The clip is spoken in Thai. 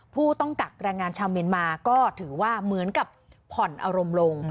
ผู้ต้องกักแรงงานชาวเมียนมาก็ถือว่าเหมือนกับผ่อนอารมณ์ลง